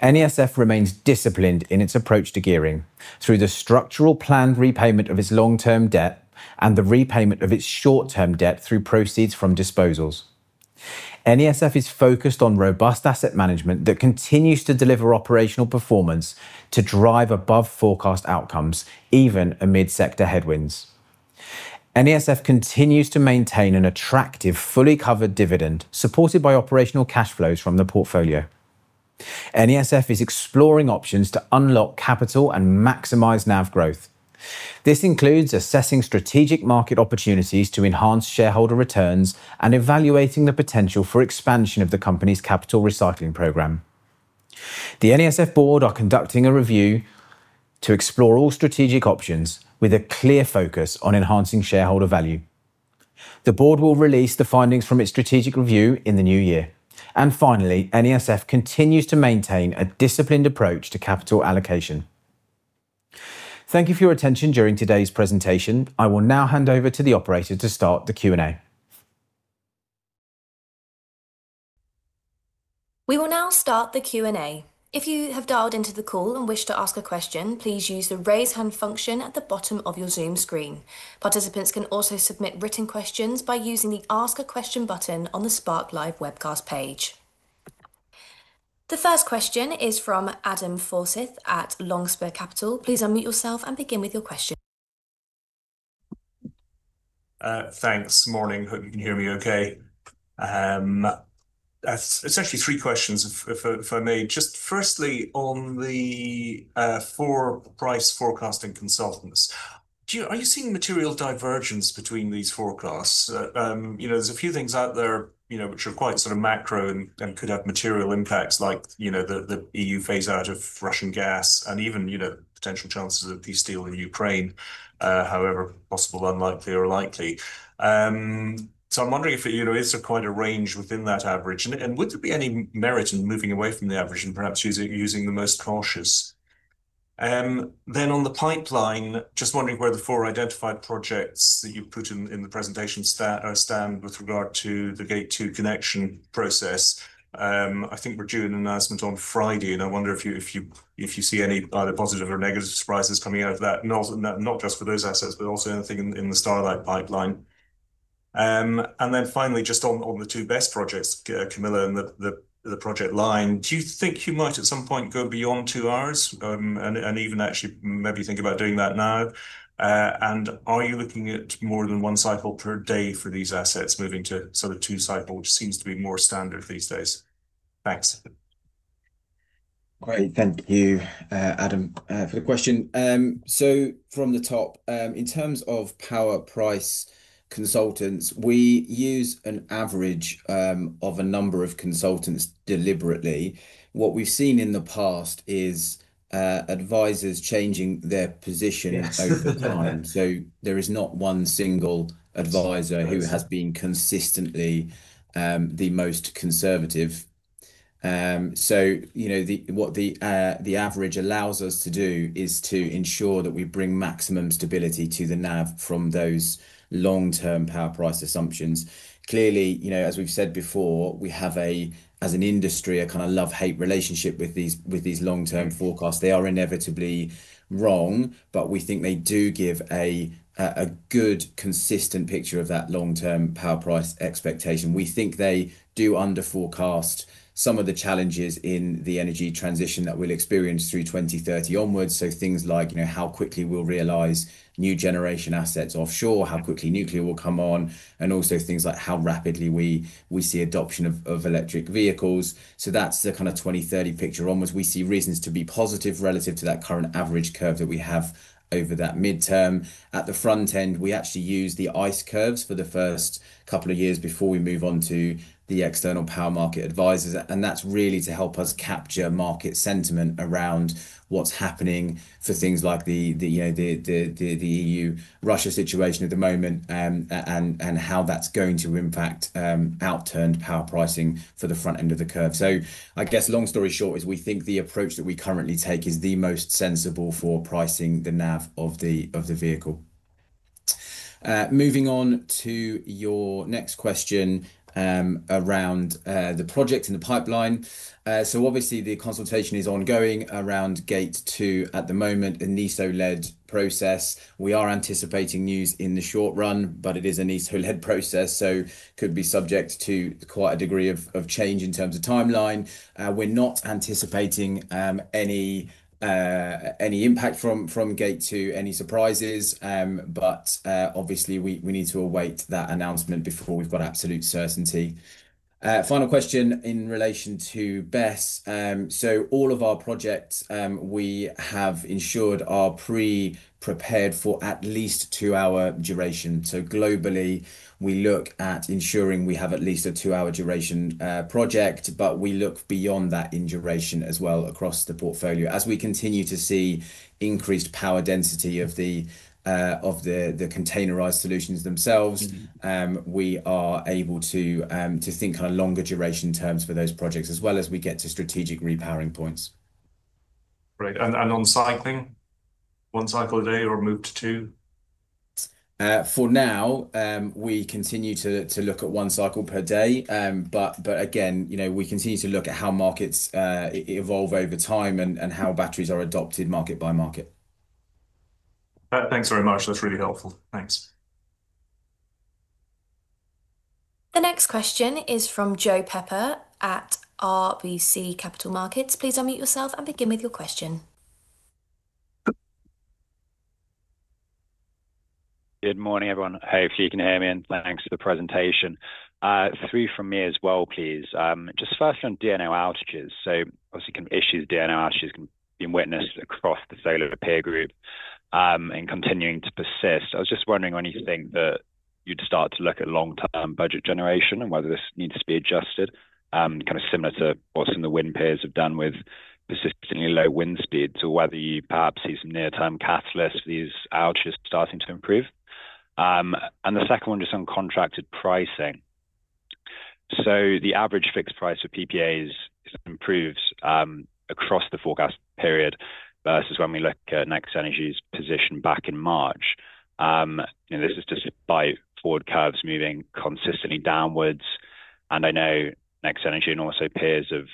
NESF remains disciplined in its approach to gearing through the structured planned repayment of its long-term debt and the repayment of its short-term debt through proceeds from disposals. NESF is focused on robust asset management that continues to deliver operational performance to drive above forecast outcomes even amid sector headwinds. NESF continues to maintain an attractive, fully covered dividend supported by operational cash flows from the portfolio. NESF is exploring options to unlock capital and maximize NAV growth. This includes assessing strategic market opportunities to enhance shareholder returns and evaluating the potential for expansion of the company's capital recycling program. The NESF board are conducting a review to explore all strategic options with a clear focus on enhancing shareholder value. The board will release the findings from its strategic review in the new year. And finally, NESF continues to maintain a disciplined approach to capital allocation. Thank you for your attention during today's presentation. I will now hand over to the operator to start the Q&A. We will now start the Q&A. If you have dialed into the call and wish to ask a question, please use the raise hand function at the bottom of your Zoom screen. Participants can also submit written questions by using the Ask a Question button on the Spark Live webcast page. The first question is from Adam Forsyth at Longspur Capital. Please unmute yourself and begin with your question. Thanks. Morning. Hope you can hear me okay. Essentially, three questions if I may. Just firstly, on the four price forecasting consultants, are you seeing material divergence between these forecasts? There's a few things out there which are quite sort of macro and could have material impacts, like the EU phase-out of Russian gas and even potential chances of de-escalation in Ukraine, however possible, unlikely, or likely. I'm wondering if there is quite a range within that average, and would there be any merit in moving away from the average and perhaps using the most cautious? On the pipeline, just wondering where the four identified projects that you've put in the presentation stand with regard to the Gate 2 connection process? I think we're due an announcement on Friday, and I wonder if you see any either positive or negative surprises coming out of that, not just for those assets, but also anything in the Starlight pipeline? Finally, just on the two best projects, Camilla and the Project Lion, do you think you might at some point go beyond two hours and even actually maybe think about doing that now? Are you looking at more than one cycle per day for these assets moving to sort of two cycles, which seems to be more standard these days? Thanks. Great. Thank you, Adam, for the question. So from the top, in terms of power price consultants, we use an average of a number of consultants deliberately. What we've seen in the past is advisors changing their position over time. So there is not one single advisor who has been consistently the most conservative. So what the average allows us to do is to ensure that we bring maximum stability to the NAV from those long-term power price assumptions. Clearly, as we've said before, we have, as an industry, a kind of love-hate relationship with these long-term forecasts. They are inevitably wrong, but we think they do give a good, consistent picture of that long-term power price expectation. We think they do under-forecast some of the challenges in the energy transition that we'll experience through 2030 onwards. So things like how quickly we'll realize new generation assets offshore, how quickly nuclear will come on, and also things like how rapidly we see adoption of electric vehicles. So that's the kind of 2030 picture onwards. We see reasons to be positive relative to that current average curve that we have over that midterm. At the front end, we actually use the ICE curves for the first couple of years before we move on to the external power market advisors. And that's really to help us capture market sentiment around what's happening for things like the EU-Russia situation at the moment and how that's going to impact outturn power pricing for the front end of the curve. So I guess long story short is we think the approach that we currently take is the most sensible for pricing the NAV of the vehicle. Moving on to your next question around the project and the pipeline. So obviously, the consultation is ongoing around Gate 2 at the moment, an ESO-led process. We are anticipating news in the short run, but it is an ESO-led process, so it could be subject to quite a degree of change in terms of timeline. We're not anticipating any impact from Gate 2, any surprises, but obviously, we need to await that announcement before we've got absolute certainty. Final question in relation to BESS. So all of our projects, we have ensured are pre-prepared for at least two-hour duration. So globally, we look at ensuring we have at least a two-hour duration project, but we look beyond that in duration as well across the portfolio. As we continue to see increased power density of the containerized solutions themselves, we are able to think on longer duration terms for those projects as well as we get to strategic repowering points. Great. And on cycling, one cycle a day or move to two? For now, we continue to look at one cycle per day. But again, we continue to look at how markets evolve over time and how batteries are adopted market by market. Thanks very much. That's really helpful. Thanks. The next question is from Joe Pepper at RBC Capital Markets. Please unmute yourself and begin with your question. Good morning, everyone. Hope you can hear me and thanks for the presentation. Three from me as well, please. Just first on DNO outages. So obviously, issues with DNO outages can be witnessed across the solar peer group and continuing to persist. I was just wondering when you think that you'd start to look at long-term budget generation and whether this needs to be adjusted, kind of similar to what some of the wind peers have done with persistently low wind speeds or whether you perhaps see some near-term catalysts for these outages starting to improve. And the second one just on contracted pricing. So the average fixed price for PPAs improves across the forecast period versus when we look at NextEnergy's position back in March. This is just by forward curves moving consistently downwards. And I know NextEnergy and also peers have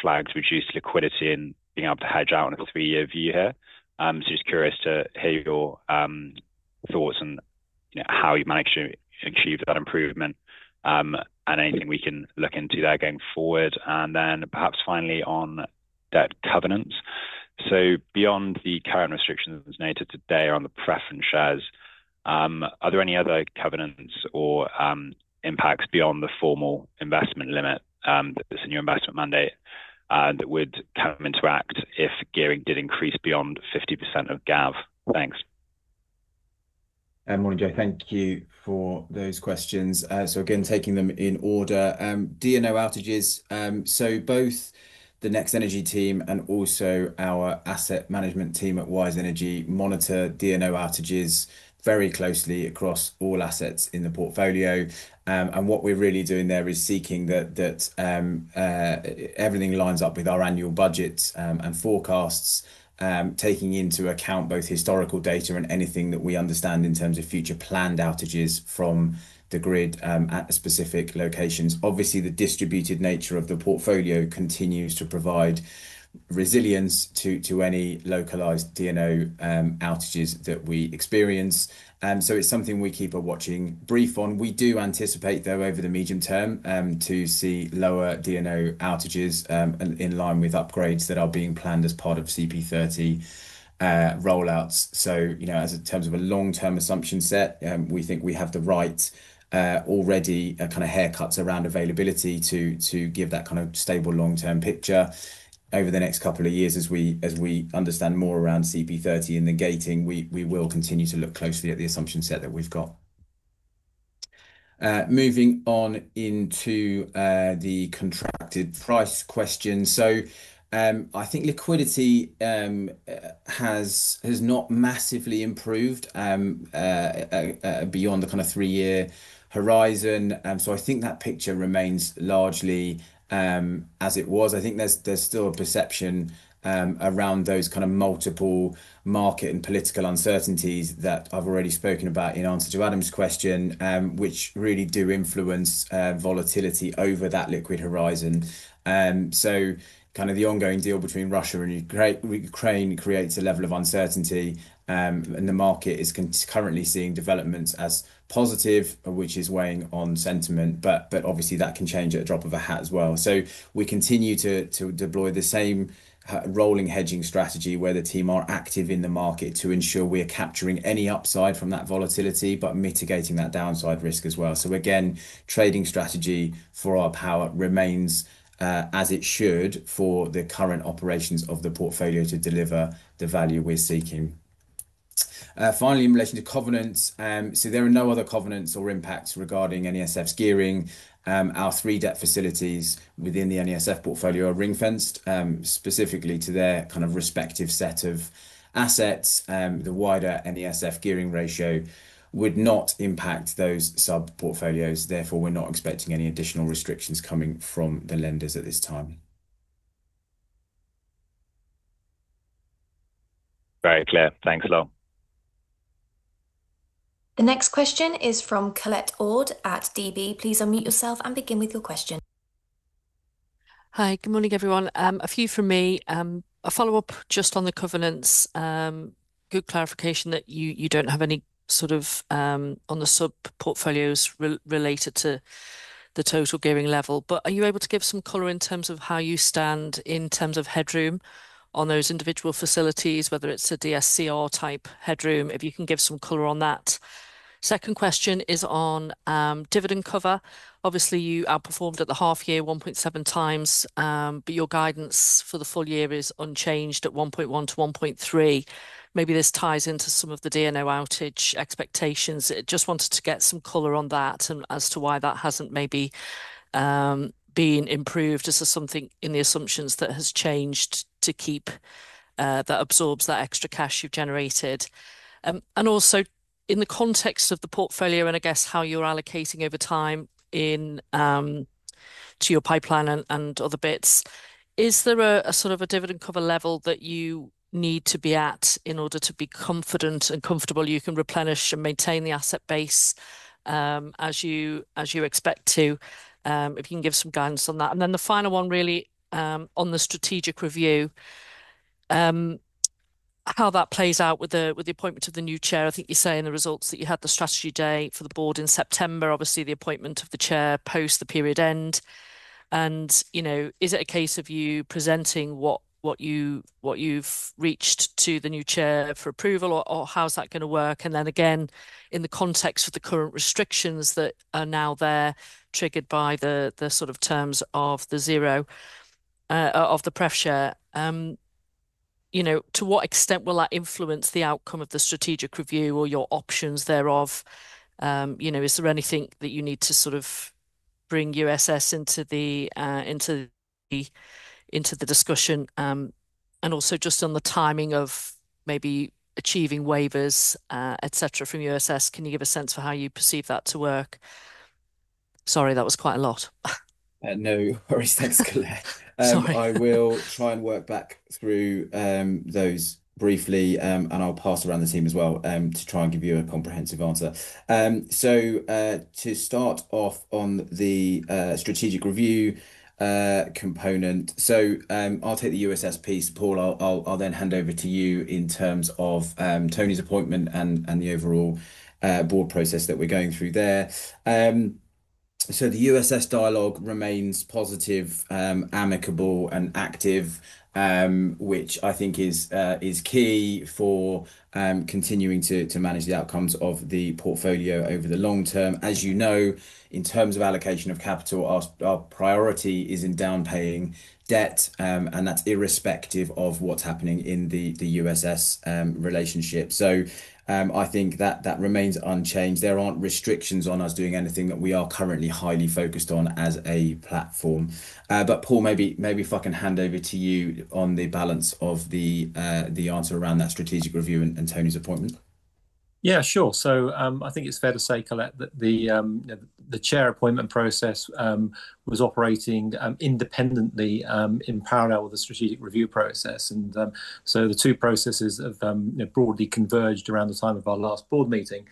flagged reduced liquidity and being able to hedge out on a three-year view here. So just curious to hear your thoughts and how you managed to achieve that improvement and anything we can look into there going forward. And then perhaps finally on debt covenants. So beyond the current restrictions noted today on the preference shares, are there any other covenants or impacts beyond the formal investment limit that's in your investment mandate that would come into effect if gearing did increase beyond 50% of GAV? Thanks. Morning, Joe. Thank you for those questions. So again, taking them in order. DNO outages. So both the NextEnergy team and also our asset management team at Wise Energy monitor DNO outages very closely across all assets in the portfolio. What we're really doing there is seeking that everything lines up with our annual budgets and forecasts, taking into account both historical data and anything that we understand in terms of future planned outages from the grid at specific locations. Obviously, the distributed nature of the portfolio continues to provide resilience to any localized DNO outages that we experience. So it's something we keep a watching brief on. We do anticipate, though, over the medium term to see lower DNO outages in line with upgrades that are being planned as part of CP30 rollouts. So in terms of a long-term assumption set, we think we have the right already kind of haircuts around availability to give that kind of stable long-term picture. Over the next couple of years, as we understand more around CP30 and the gating, we will continue to look closely at the assumption set that we've got. Moving on into the contracted price question. So I think liquidity has not massively improved beyond the kind of three-year horizon. So I think that picture remains largely as it was. I think there's still a perception around those kind of multiple market and political uncertainties that I've already spoken about in answer to Adam's question, which really do influence volatility over that liquid horizon. So kind of the ongoing deal between Russia and Ukraine creates a level of uncertainty, and the market is currently seeing developments as positive, which is weighing on sentiment. But obviously, that can change at a drop of a hat as well. So we continue to deploy the same rolling hedging strategy where the team are active in the market to ensure we are capturing any upside from that volatility but mitigating that downside risk as well. So again, trading strategy for our power remains as it should for the current operations of the portfolio to deliver the value we're seeking. Finally, in relation to covenants, so there are no other covenants or impacts regarding NESF's gearing. Our three debt facilities within the NESF portfolio are ring-fenced specifically to their kind of respective set of assets. The wider NESF gearing ratio would not impact those sub-portfolios. Therefore, we're not expecting any additional restrictions coming from the lenders at this time. Very clear. Thanks a lot. The next question is from Colette Ord at DB. Please unmute yourself and begin with your question. Hi, good morning, everyone. A few from me. A follow-up just on the covenants. Good clarification that you don't have any sort of on the sub-portfolios related to the total gearing level. But are you able to give some color in terms of how you stand in terms of headroom on those individual facilities, whether it's a DSCR-type headroom, if you can give some color on that. Second question is on dividend cover. Obviously, you outperformed at the half-year 1.7 times, but your guidance for the full year is unchanged at 1.1-1.3. Maybe this ties into some of the DNO outage expectations. Just wanted to get some color on that and as to why that hasn't maybe been improved. Is there something in the assumptions that has changed to keep that absorbs that extra cash you've generated? And also in the context of the portfolio and I guess how you're allocating over time to your pipeline and other bits, is there a sort of a dividend cover level that you need to be at in order to be confident and comfortable you can replenish and maintain the asset base as you expect to? If you can give some guidance on that. And then the final one really on the strategic review, how that plays out with the appointment of the new chair. I think you say in the results that you had the strategy day for the board in September. Obviously, the appointment of the chair post the period end. And is it a case of you presenting what you've reached to the new chair for approval, or how's that going to work? And then again, in the context of the current restrictions that are now there triggered by the sort of terms of the issue of the Pref share, to what extent will that influence the outcome of the strategic review or your options thereof? Is there anything that you need to sort of bring USS into the discussion? And also just on the timing of maybe achieving waivers, etc., from USS, can you give a sense for how you perceive that to work? Sorry, that was quite a lot. No worries. Thanks, Colette. I will try and work back through those briefly, and I'll pass around the team as well to try and give you a comprehensive answer. So to start off on the strategic review component, so I'll take the USS piece, Paul. I'll then hand over to you in terms of Tony's appointment and the overall board process that we're going through there. So the USS dialogue remains positive, amicable, and active, which I think is key for continuing to manage the outcomes of the portfolio over the long term. As you know, in terms of allocation of capital, our priority is in paying down debt, and that's irrespective of what's happening in the USS relationship. So I think that remains unchanged. There aren't restrictions on us doing anything that we are currently highly focused on as a platform. But Paul, maybe if I can hand over to you on the balance of the answer around that strategic review and Tony's appointment. Yeah, sure. So I think it's fair to say, Colette, that the chair appointment process was operating independently in parallel with the strategic review process. And so the two processes have broadly converged around the time of our last board meeting.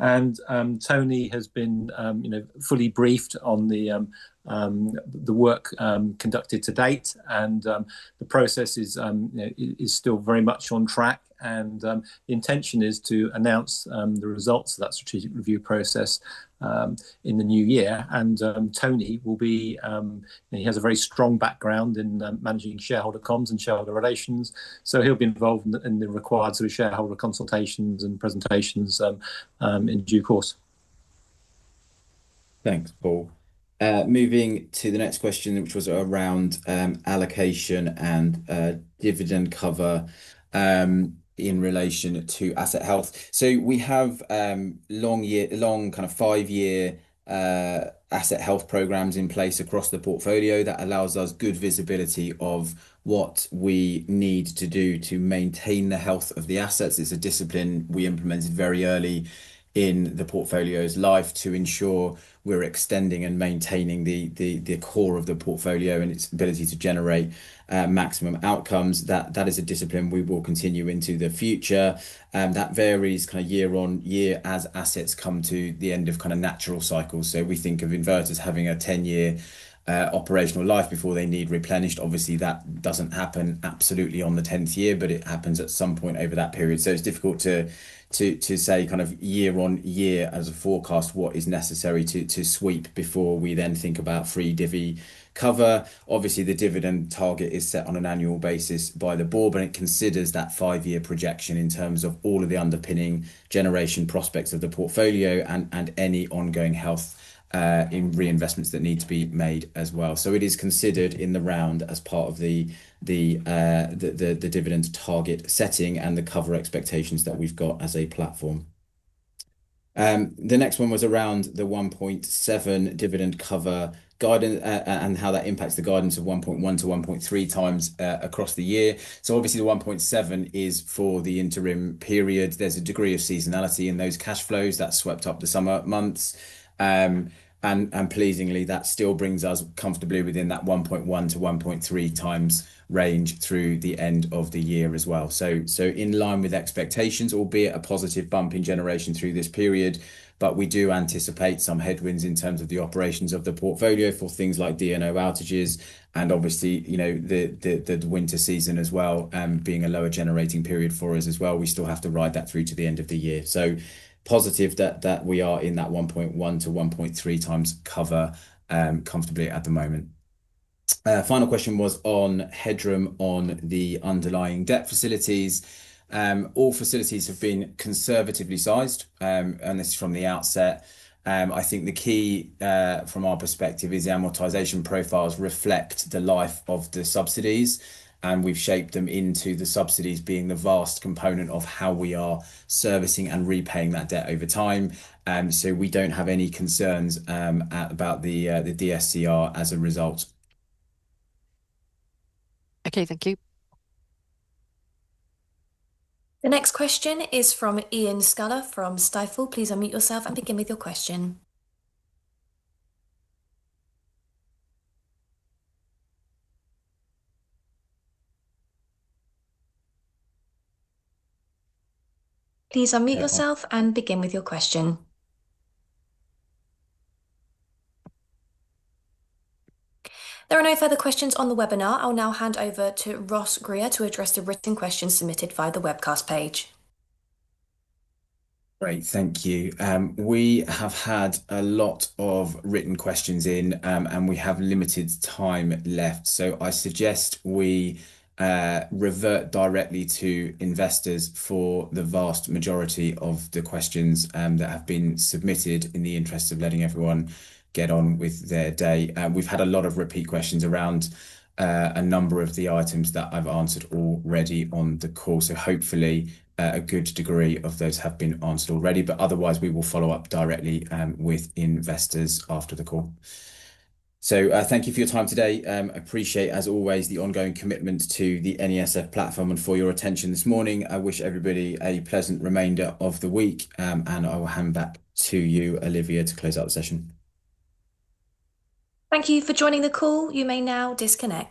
And Tony has been fully briefed on the work conducted to date, and the process is still very much on track. And the intention is to announce the results of that strategic review process in the new year. And Tony will be he has a very strong background in managing shareholder comms and shareholder relations. So he'll be involved in the required sort of shareholder consultations and presentations in due course. Thanks, Paul. Moving to the next question, which was around allocation and dividend cover in relation to asset health. So we have long kind of five-year asset health programs in place across the portfolio that allows us good visibility of what we need to do to maintain the health of the assets. It's a discipline we implemented very early in the portfolio's life to ensure we're extending and maintaining the core of the portfolio and its ability to generate maximum outcomes. That is a discipline we will continue into the future. That varies kind of year on year as assets come to the end of kind of natural cycles. So we think of inverters having a 10-year operational life before they need replenished. Obviously, that doesn't happen absolutely on the 10th year, but it happens at some point over that period. So it's difficult to say kind of year on year as a forecast what is necessary to sweep before we then think about free divvy cover. Obviously, the dividend target is set on an annual basis by the board, but it considers that five-year projection in terms of all of the underpinning generation prospects of the portfolio and any ongoing health in reinvestments that need to be made as well, so it is considered in the round as part of the dividend target setting and the cover expectations that we've got as a platform. The next one was around the 1.7 dividend cover and how that impacts the guidance of 1.1-1.3 times across the year, so obviously, the 1.7 is for the interim period. There's a degree of seasonality in those cash flows that swept up the summer months, and pleasingly, that still brings us comfortably within that 1.1-1.3 times range through the end of the year as well. So in line with expectations, albeit a positive bump in generation through this period, but we do anticipate some headwinds in terms of the operations of the portfolio for things like DNO outages and obviously the winter season as well being a lower generating period for us as well. We still have to ride that through to the end of the year. So positive that we are in that 1.1-1.3 times cover comfortably at the moment. Final question was on headroom on the underlying debt facilities. All facilities have been conservatively sized, and this is from the outset. I think the key from our perspective is the amortization profiles reflect the life of the subsidies, and we've shaped them into the subsidies being the vast component of how we are servicing and repaying that debt over time. So we don't have any concerns about the DSCR as a result. Okay, thank you. The next question is from Iain Scouller from Stifel. Please unmute yourself and begin with your question. There are no further questions on the webinar. I'll now hand over to Ross Grier to address the written questions submitted via the webcast page. Great, thank you. We have had a lot of written questions in, and we have limited time left. So I suggest we revert directly to Investors for the vast majority of the questions that have been submitted in the interest of letting everyone get on with their day. We've had a lot of repeat questions around a number of the items that I've answered already on the call. So hopefully, a good degree of those have been answered already. But otherwise, we will follow up directly with Investors after the call. So thank you for your time today. Appreciate, as always, the ongoing commitment to the NESF platform and for your attention this morning. I wish everybody a pleasant remainder of the week, and I will hand back to you, Olivia, to close out the session. Thank you for joining the call. You may now disconnect.